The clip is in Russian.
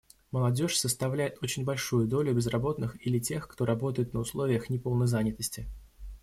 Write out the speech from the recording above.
Молодежь составляет очень большую долю безработных или тех, кто работает на условиях неполной занятости.